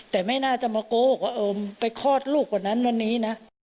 แต่ไม่น่าจะมาโกหกว่าไปคลอดลูกวันนั้นวันนี้นะ